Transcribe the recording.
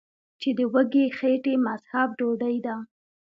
چې د وږې خېټې مذهب ډوډۍ ده ـ